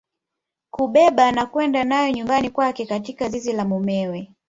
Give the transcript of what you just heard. Kubeba na kwenda nayo nyumbani kwake katika zizi la mumewe